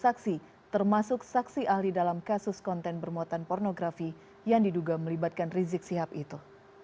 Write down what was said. saksi termasuk saksi ahli dalam kasus konten bermuatan pornografi yang diduga melibatkan rizik sihab itu